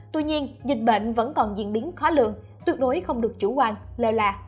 tuy nhiên dịch bệnh vẫn còn diễn biến khó lường tuyệt đối không được chủ quan lèo lạ